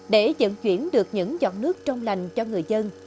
để dẫn chuyển được những giọt nước trong lành cho người dân